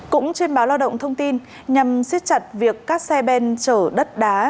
cũng trên báo lo động thông tin nhằm siết chặt việc các xe ben trở đất đá